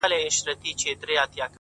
اوس دا يم ځم له خپلي مېني څخه-